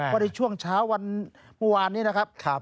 ว่าในช่วงเช้าวันเมื่อวานนี้นะครับ